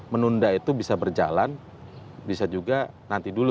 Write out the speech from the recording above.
menunda itu bisa berjalan bisa juga nanti dulu